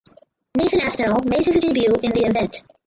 Nathan Aspinall made his debut in the event.